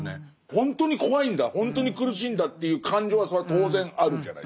ほんとに怖いんだほんとに苦しいんだという感情はそれは当然あるじゃないですか。